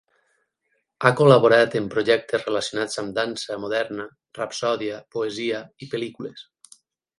Ha col·laborat en projectes relacionats amb dansa moderna, rapsòdia, poesia i pel·lícules.